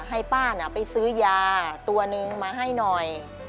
ให้ป้าน่ะไปซื้อยาตัวนึงมาให้หน่อย